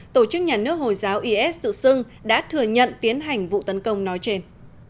tổ chức nhà nước hồi giáo is tự xưng đã thừa nhận tiến hành vụ tấn công nói trên